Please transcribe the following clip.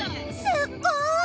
すっごーい！